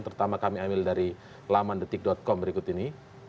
pertama kami ambil dari laman detik com berikut ini